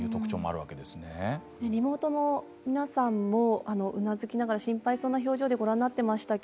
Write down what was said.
リモートの皆さんもうなずきながら心配そうな表情でご覧になっていました。